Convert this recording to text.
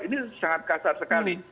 ini sangat kasar sekali